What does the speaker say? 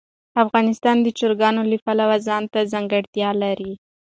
افغانستان د چرګانو له پلوه ځانته ځانګړتیا لري.